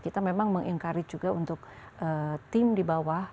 kita memang mengingkarit juga untuk tim di bawah